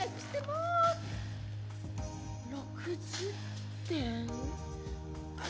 ６０点？